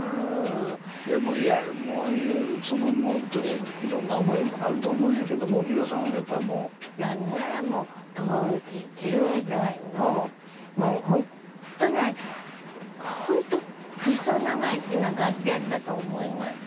いやもういやそのもうホントにいろんな思いもあると思うんやけども三浦さんやっぱもう。いやねぇもう当時１０代のもうホントねホントクソ生意気なガキだったと思います。